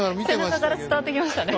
背中から伝わってきましたね。